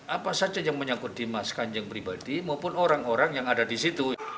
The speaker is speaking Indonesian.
apa saja yang menyangkut dimas kanjeng pribadi maupun orang orang yang ada di situ